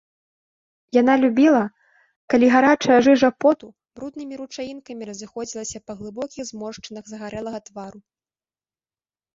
Яна любіла, калі гарачая жыжа поту бруднымі ручаінкамі разыходзілася па глыбокіх зморшчынах загарэлага твару.